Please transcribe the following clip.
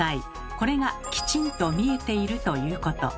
これが「きちんと見えている」ということ。